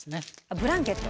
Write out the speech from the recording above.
ブランケット。